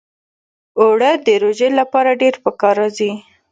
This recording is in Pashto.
اوړه د روژې لپاره ډېر پکار راځي